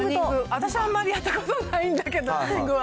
私あんまりやったことないんだけど、ランニングは。